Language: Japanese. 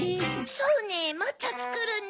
そうねもっとつくるネ。